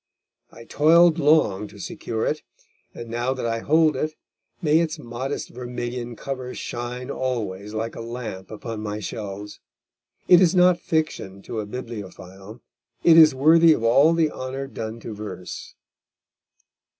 I toiled long to secure it, and, now that I hold it, may its modest vermilion cover shine always like a lamp upon my shelves! It is not fiction to a bibliophile; it is worthy of all the honour done to verse.